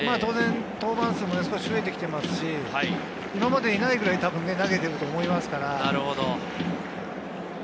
登板数も少し増えてきていますし、今までにないくらい投げていると思いますから。